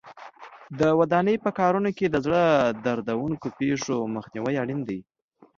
د ودانۍ په کارونو کې د زړه دردوونکو پېښو مخنیوی اړین دی.